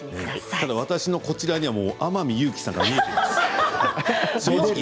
ただ私のこちらには天海祐希さんが見えています。